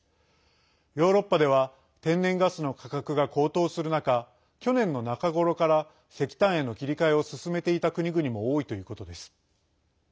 ヨーロッパでは天然ガスの価格が高騰する中去年の中頃から石炭への切り替えを進めていた国々も多いということです。